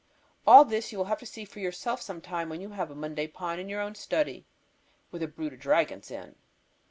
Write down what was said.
All this you will have to see for yourself some time when you have a Monday Pond in your own study, with a brood of dragons in.